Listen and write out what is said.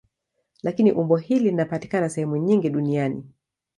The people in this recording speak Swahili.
Lakini umbo hili linapatikana sehemu nyingi duniani.